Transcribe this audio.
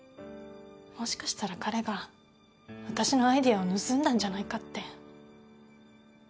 もしかしたら彼が私のアイデアを盗んだんじゃないかって。